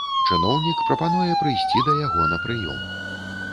Чыноўнік прапануе прыйсці да яго на прыём.